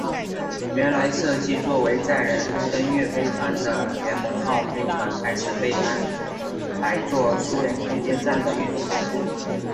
原来设计做为载人登月飞船的联盟号飞船开始被安排做苏联空间站的运输工具。